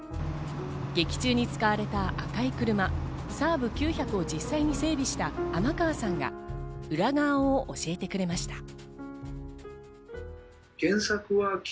劇中に使われた赤い車サーブ９００を実際に整備した天川さんが裏側を教えてくれました。